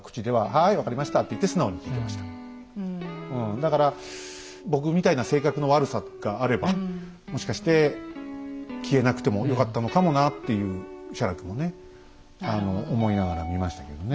だから僕みたいな性格の悪さがあればもしかして消えなくてもよかったのかもなっていう写楽もね思いながら見ましたけどね。